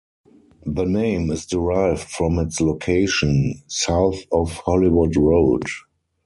The name is derived from its location: South of Hollywood Road.